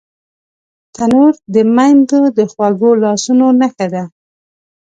تنور د میندو د خوږو لاسونو نښه ده